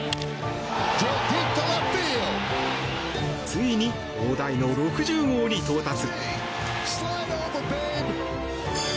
ついに大台の６０号に到達。